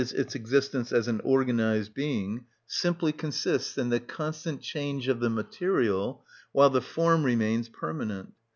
_, its existence as an organised being, simply consists in the constant change of the material, while the form remains permanent.